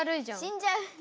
死んじゃう。